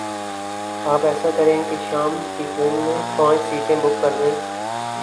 آپ ایسا کریں کے شام کی ٹرین میں پانچھ سیٹیں بک کر دیں۔